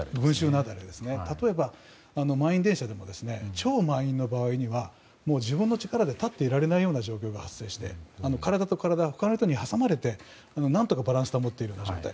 例えば、満員電車でも超満員の場合には自分の力で立っていられないような状況が発生して体と体が、他の人に挟まれて、何とかバランスを保っているような状態。